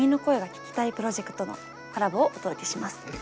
プロジェクトのコラボをお届けします。